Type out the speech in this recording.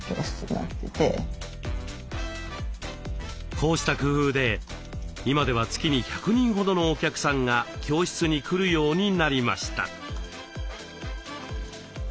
こうした工夫で今では月に１００人ほどのお客さんが教室に来るようになりました。